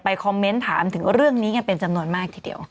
คอมเมนต์ถามถึงเรื่องนี้กันเป็นจำนวนมากทีเดียว